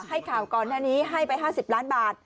ให้ข่าวก่อนหน้านี้ให้ไป๕๐ล้านบาท